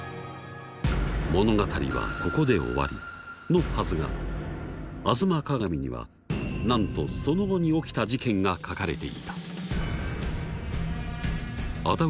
物語はここで終わりのはずが「吾妻鏡」にはなんとその後に起きた事件が書かれていた。